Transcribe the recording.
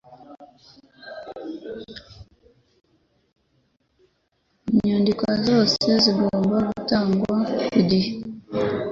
Inyandiko zose zigomba gutangwa ku gihe.